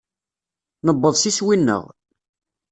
Nuweḍ s iswi-nneɣ.